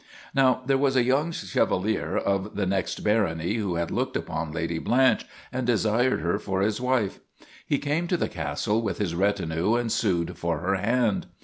Now there was a young Chevalier of the next bar ony who had looked upon Lady Blanche and desired her for his wife. He came to the castle with his retinue and sued for her hand.